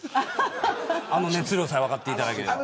あの熱量さえ分かっていただければ。